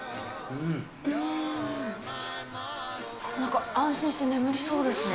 なんか安心して眠れそうですね。